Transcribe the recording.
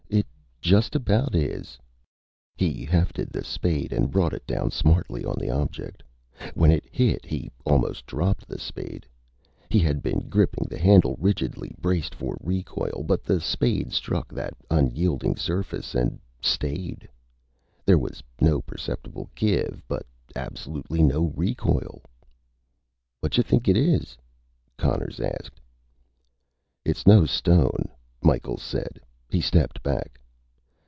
"It just about is." He hefted the spade and brought it down smartly on the object. When it hit, he almost dropped the spade. He had been gripping the handle rigidly, braced for a recoil. But the spade struck that unyielding surface and stayed. There was no perceptible give, but absolutely no recoil. "Whatcha think it is?" Conners asked. "It's no stone," Micheals said. He stepped back.